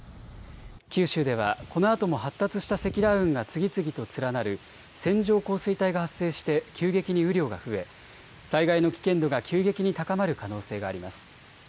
九州ではこのあとも発達した積乱雲が次々と連なる線状降水帯が発生して急激に雨量が増え災害の危険度が急激に高まる可能性があります。